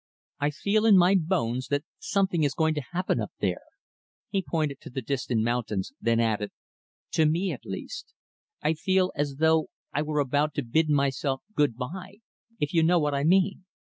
I feel in my bones that something is going to happen up there" he pointed to the distant mountains, then added "to me, at least. I feel as though I were about to bid myself good by if you know what I mean.